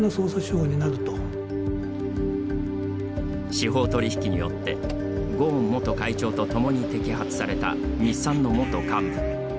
司法取引によってゴーン元会長と共に摘発された日産の元幹部。